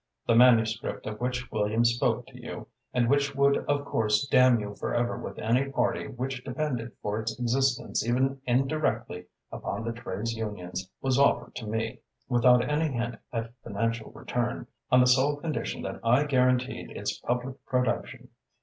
The manuscript of which Williams spoke to you, and which would of course damn you forever with any party which depended for its existence even indirectly upon the trades unions, was offered to me, without any hint at financial return, on the sole condition that I guaranteed its public production.